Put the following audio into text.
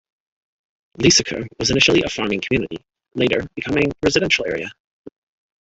Lysaker was initially a farming community, later becoming a residential area.